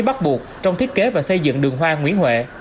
bắt buộc trong thiết kế và xây dựng đường hoa nguyễn huệ